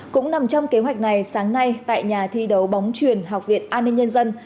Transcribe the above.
cũng nằm trong kế hoạch này sáng nay tại nhà thi đấu bóng truyền học viện an ninh nhân dân